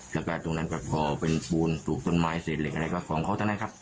แล้วก็ตรงนั้นกลับพอเป็นภูมิดูกต้นไม้เสล็จอะไรก็ก็ของเขาต้นั่นครับ